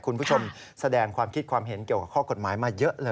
คุณผู้ชมแสดงความคิดความเห็นเกี่ยวกับข้อกฎหมายมาเยอะเลย